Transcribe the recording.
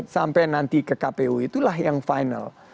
sampai nanti ke kpu itulah yang final